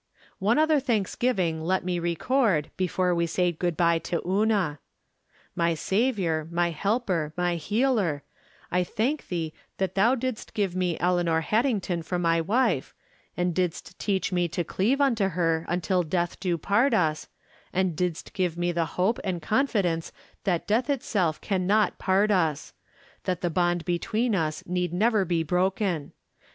One other thanksgiving let me record, before we say good by to Una. My Saviour, my Helper, my Healer, I thank thee that thou didst give me Eleanor Haddington for my wife, and didst teach me to cleave unto her until death do part us, and didst give me the hope and confi dence that death itself can not part us ; that the bond between us need never be broken.